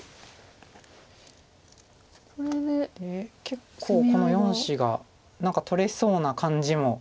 結構この４子が何か取れそうな感じも。